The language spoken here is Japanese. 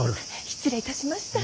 失礼いたしました。